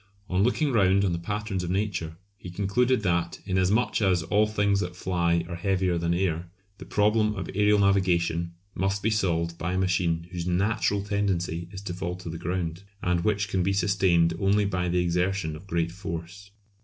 On looking round on the patterns of Nature, he concluded that, inasmuch as all things that fly are heavier than air, the problem of aërial navigation must be solved by a machine whose natural tendency is to fall to the ground, and which can be sustained only by the exertion of great force.